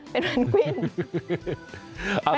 เป็นแนนกวิน